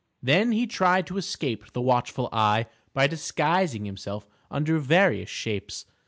Then he tried to escape the watchful eye by disguising himself under various shapes.